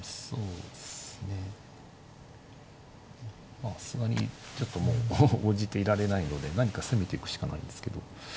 まあさすがにちょっともう応じていられないので何か攻めていくしかないんですけど。